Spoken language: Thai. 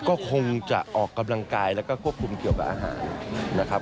ก็คงจะออกกำลังกายแล้วก็ควบคุมเกี่ยวกับอาหารนะครับ